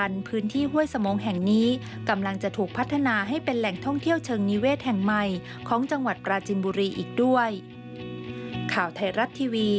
รวมทั้งโรงพยาบาลอภัยภูเบตนะครับ